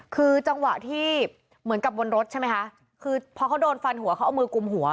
คือจังหวะที่เหมือนกับบนรถใช่ไหมคะคือพอเขาโดนฟันหัวเขาเอามือกุมหัว